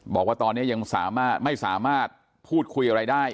บอกว่าตอนนี้ยังสามารถไม่สามารถพูดคุยอะไรได้